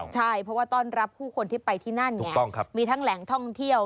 ใช่เพราะว่าต้อนรับผู้คนที่ไปที่นั่นไงมีทั้งแหล่งท่องเที่ยว